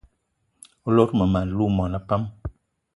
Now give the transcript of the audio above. O lot mmem- alou mona pam?